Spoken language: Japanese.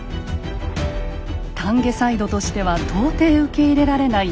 丹下サイドとしては到底受け入れられない